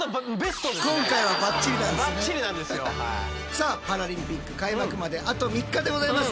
さあパラリンピック開幕まであと３日でございます。